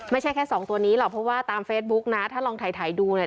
ไม่ใช่แค่สองตัวนี้หรอกเพราะว่าตามเฟซบุ๊กนะถ้าลองถ่ายดูเนี่ย